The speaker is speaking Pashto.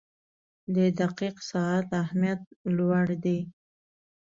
• د دقیق ساعت اهمیت لوړ دی.